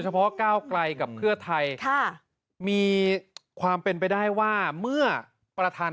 เพาะก้าวไกลกับเพื่อไทยค่ะมีความเป็นไปได้ว่าเมื่อประธาน